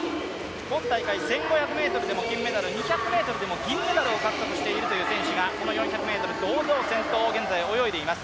今大会１５００ｍでも金メダル、２００ｍでも銀メダルを獲得している選手がこの４００ｍ堂々先頭を泳いでいます。